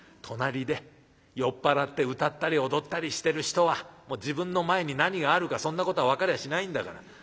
隣で酔っ払って歌ったり踊ったりしてる人は自分の前に何があるかそんなことは分かりゃしないんだから。